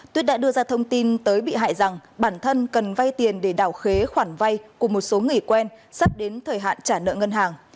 tuyết đã đưa ra thông tin tới bị hại rằng bản thân cần vay tiền để đảo khế khoản vay của một số nghỉ quen sắp đến thời hạn trả nợ ngân hàng